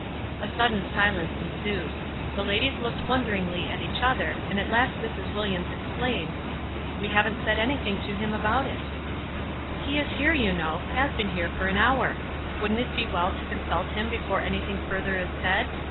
A sudden silence ensued. The ladies looked wonderingly at each other, and at last Mrs. Williams explained,— WISE AND OTHERWISE. 43 " We haven't said anything to him about it." n He is here, you know ; has been here for an hour. Wouldn't it be well to consult him be fore anything further is said?